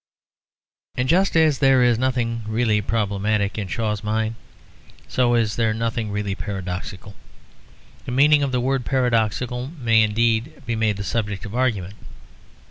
And just as there is nothing really problematic in Shaw's mind, so there is nothing really paradoxical. The meaning of the word paradoxical may indeed be made the subject of argument.